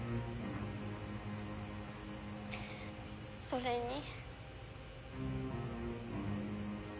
それに。